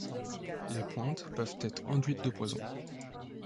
Les pointes peuvent être enduites de poison.